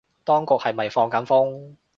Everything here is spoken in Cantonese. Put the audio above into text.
當局係咪放緊風